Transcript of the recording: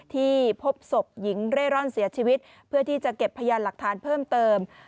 ที่พบศพหญิงเร่ร่อนเสียชีวิตเพื่อที่จะเก็บพยานหลักฐานเพิ่มเติม